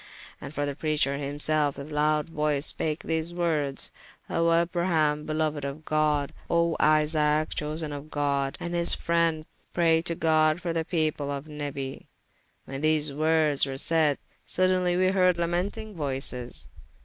And the preacher hymselfe with loude voyce spake these wordes, O Abraham beloued of God, O Isaac chosen of God, and his friend, praye to God for the people of Nabi. When these woordes were sayde, sodenly were heard lamenting voyces.